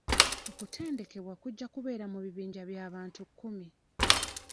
Okutendekebwa kujja kubeera mu bibinja by'abantu kkumi.